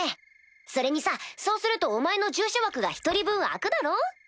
それにさそうするとお前の従者枠が１人分あくだろ？